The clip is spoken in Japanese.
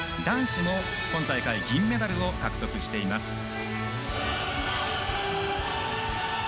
男子も今大会銀メダルを獲得しています。